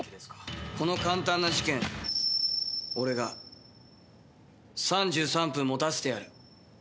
この簡単な事件俺が３３分持たせてやる。